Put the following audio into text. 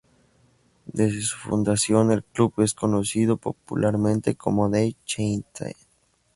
Desde su fundación, el club es conocido popularmente como "The Cheetahs".